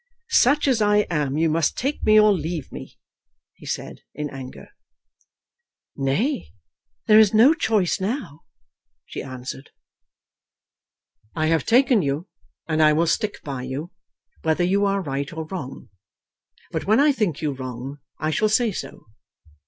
"Such as I am you must take me, or leave me," he said, in anger. "Nay; there is no choice now," she answered. "I have taken you, and I will stick by you, whether you are right or wrong. But when I think you wrong, I shall say so."